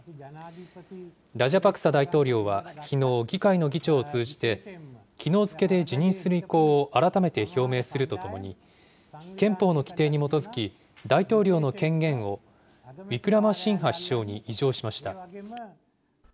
ラジャパクサ大統領はきのう、議会の議長を通じて、きのう付けで辞任する意向を改めて表明するとともに、憲法の規定に基づき、大統領の権限をウィクラマシンハ首相に委譲しました。